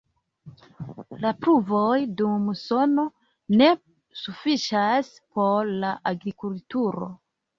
La pluvoj dum musono ne sufiĉas por la agrikulturo.